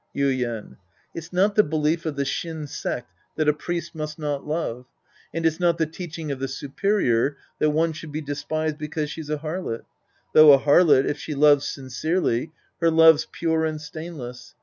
Yuien. It's not the belief of the Shin sect that a priest must not love. And it's not the teach ing of the superior that one should be despised because she's a harlot. Though a harlot, if she loves sincerely, her love's pure and stainless.